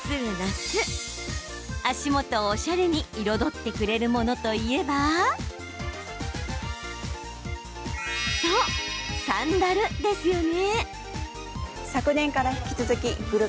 足元をおしゃれに彩ってくれるものといえばそう、サンダルですよね。